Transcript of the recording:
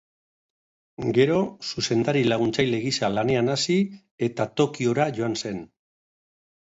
Gero, zuzendari-laguntzaile gisa lanean hasi, eta Tokiora joan zen.